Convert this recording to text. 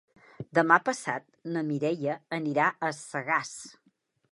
Demà passat na Mireia anirà a Sagàs.